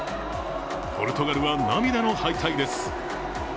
ポルトガルは涙の敗退です。